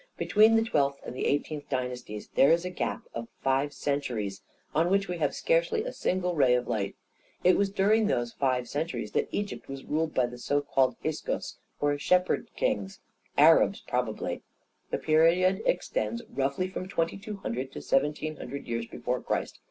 " Between the twelfth and the eight eenth dynasties there is a gap of five centuries on which we have scarcely a single ray of light. It was during those five centuries that Egypt was ruled by the so called Hyksos, or shepherd kings — Arabs, probably. The period extends roughly from twenty two hundred to seventeen hundred years be* fore Christ.